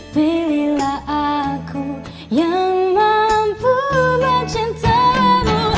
pilihlah aku yang mampu mencintaimu